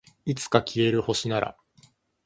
いつか消える星なら